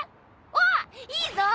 おーいいぞ！